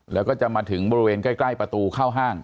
แล้วก็จะมาถึงบริเวณใกล้ประตูเข้าห้าง